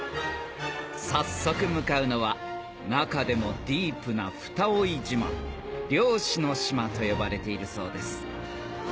早速向かうのは中でもディープな蓋井島漁師の島と呼ばれているそうです